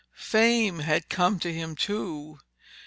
Fame had come to him too.